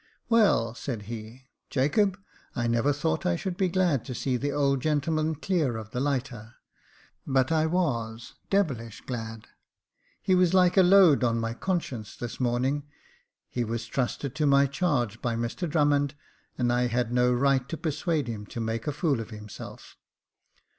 "Well," said he, "Jacob, I never thought I should be glad to see the old gentleman clear of the lighter, but I was — devilish glad ; he was like a load on my con science this morning ; he was trusted to my charge by Mr Drummond, and I had no right to persuade him to make a fool of himself.